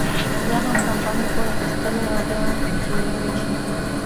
بيا هم کمپنۍ پور اخیستلی او بیا جوړېدلی شي.